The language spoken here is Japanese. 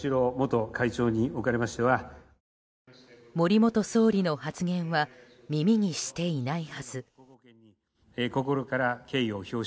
森元総理の発言は耳にしていないはず。